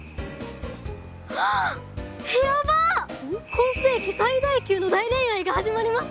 「今世紀最大級の大恋愛がはじまります！」